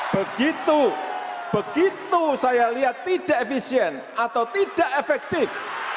begitu begitu saya lihat tidak efisien atau tidak efektif